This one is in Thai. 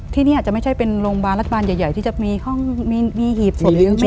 ที่นี่อาจจะไม่ใช่เป็นโรงพยาบาลรัฐบาลใหญ่ที่จะมีห้องมีหีบศพ